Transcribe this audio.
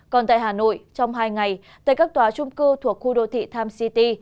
còn tại hà nội trong hai ngày tại các tòa chung cư thuộc khu đô thị tham city